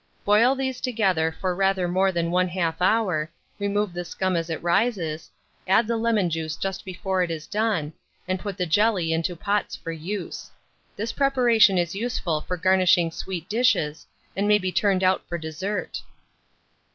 Boil these together for rather more than 1/2 hour, remove the scum as it rises, add the lemon juice just before it is done, and put the jelly into pots for use. This preparation is useful for garnishing sweet dishes, and may be turned out for dessert.